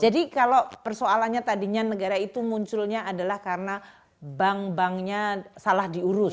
jadi kalau persoalannya tadinya negara itu munculnya adalah karena bank banknya salah diurus